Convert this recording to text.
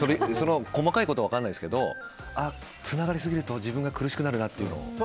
細かいことは分からないですけどつながりすぎると自分が苦しくなるなというのを。